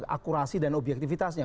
akurasi dan objektifitasnya